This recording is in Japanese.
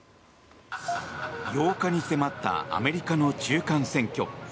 ８日に迫ったアメリカの中間選挙。